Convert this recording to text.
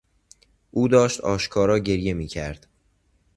او داشت آشکارا گریه میکرد.